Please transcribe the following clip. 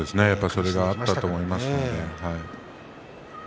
それがあったと思いますよ。